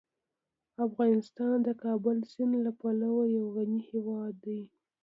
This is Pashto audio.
افغانستان د کابل سیند له پلوه یو غني هیواد دی.